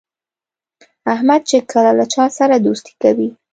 احمد چې کله له چا سره دوستي کوي،